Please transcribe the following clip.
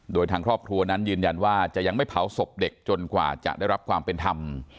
โดยทางครอบครัวนั้นยืนยันว่าจะยังไม่เผาศพเด็กจนกว่าจะได้รับความเป็นธรรม